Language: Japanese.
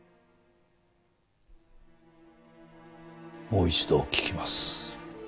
もう一度聞きます。